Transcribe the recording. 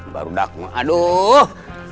baru dakwa aduh